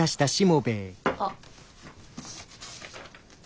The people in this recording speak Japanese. あっ。